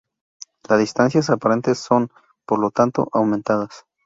Las distancias aparentes son, por lo tanto, aumentadas.